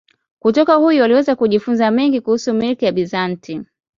Kutoka huyu aliweza kujifunza mengi kuhusu milki ya Bizanti.